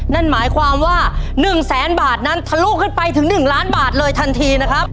นั่นหมายความว่า๑แสนบาทนั้นทะลุขึ้นไปถึง๑ล้านบาทเลยทันทีนะครับ